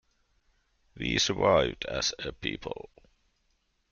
We survived as a people.